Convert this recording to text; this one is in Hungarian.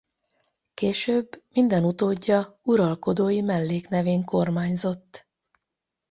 Később minden utódja uralkodói melléknevén kormányzott.